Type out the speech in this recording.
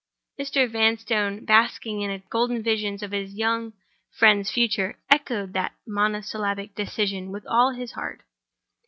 Mr. Vanstone, basking in golden visions of his young friend's future, echoed that monosyllabic decision with all his heart.